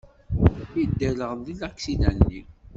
Yedderɣel deg laksida-nni.